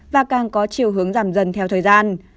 và càng có chiều hướng giảm dần theo thời gian